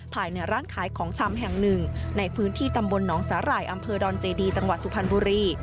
ภายในร้านขายของชำแห่งหนึ่งในพื้นที่ตำบลหนองสาหร่ายอำเภอดอนเจดีจังหวัดสุพรรณบุรี